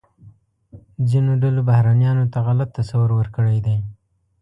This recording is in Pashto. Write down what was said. ځینو ډلو بهرنیانو ته غلط تصور ورکړی دی.